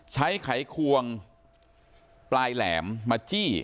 ไขควงปลายแหลมมาจี้